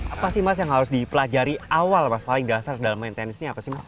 apa sih mas yang harus dipelajari awal mas paling dasar dalam main tenis ini apa sih mas